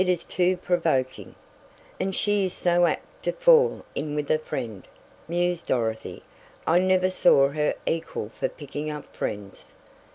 It is too provoking!" "And she is so apt to fall in with a 'friend,'" mused Dorothy. "I never saw her equal for picking up friends."